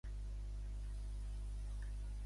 Jordi Tarrés és un futbolista nascut a Barcelona.